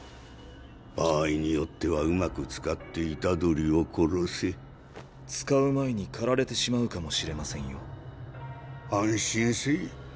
場合によってはうまく使って虎杖を殺せ使う前に狩られてしまうかもしれませんよ安心せい。